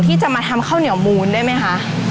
ที่จะมาทำข้าวเหนียวมูลได้ไหมคะ